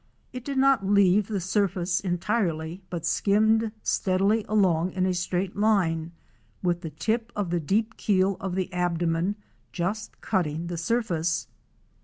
It did not leave the sur face entirely but skimmed steadily along in a straight line with the tip of the deep keel of the abdomen just cutting the Fic. 105. FRESH WATER FLYING FIsH. surface.